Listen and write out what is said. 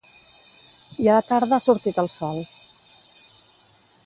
I a la tarda ha sortit el sol